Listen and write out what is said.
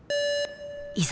いざ。